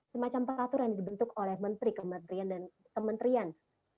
semacam peraturan dibentuk oleh menteri kementerian